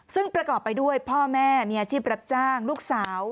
ซึ่งประกอบไปด้วยพ่อแม่มีอาชีพรับจ้างลูกสาว